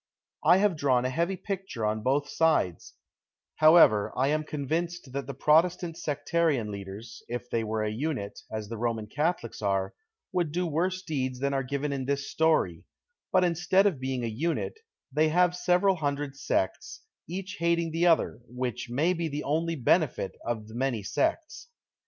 I have drawn a heavy picture on both sides ; however, I am convinced tliat the Protestant sectarian leaders, if they were a unit, as the Roman Catliolics are, would do worse deeds than are given in this story ; but instead of being a unit, they have several hundred sects, each liating the otlier, which may be the only benefit of the many sects.